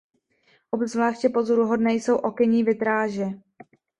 Obzvláště pozoruhodné jsou okenní vitráže.